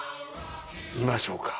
見ましょうか。